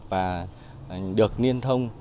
và được liên thông